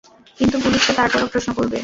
কিন্তু পুলিশ তো তারপরও প্রশ্ন করবে।